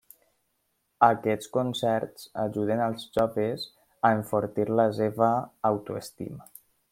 Aquests concerts ajuden als joves a enfortir la seva autoestima.